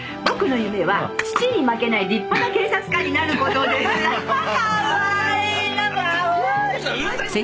「僕の夢は父に負けない立派な警察官になる事です」